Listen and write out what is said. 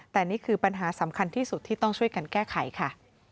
แต่นี่คือปัญหาสำคัญที่สุดที่ต้องช่วยกันแก้ไขค่ะ